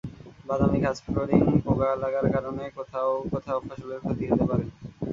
বাদামি গাছফড়িং পোকা লাগার কারণে কোথাও কোথাও ফসলের ক্ষতি হতে পারে।